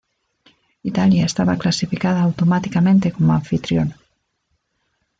Italia estaba clasificada automáticamente como anfitrión.